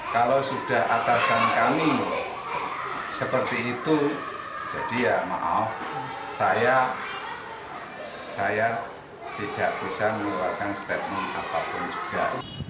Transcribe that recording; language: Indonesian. kalau sudah atasan kami seperti itu jadi ya maaf saya tidak bisa mengeluarkan statement apapun juga